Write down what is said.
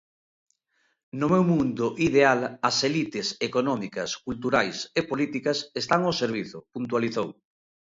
"No meu mundo ideal as elites económicas, culturais e políticas están ao servizo", puntualizou.